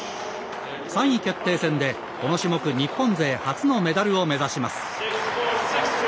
３位決定戦で、この種目日本勢初のメダルを目指します。